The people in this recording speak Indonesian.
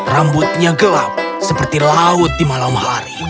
rambutnya gelap seperti laut di malam hari